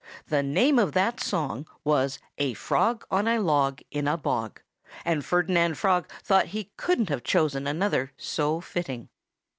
The name of that song was "A Frog on a Log in a Bog"; and Ferdinand Frog thought that he couldn't have chosen another so fitting.